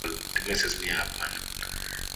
Jamhuri ya ki democrasia ya kongo ina mali mingi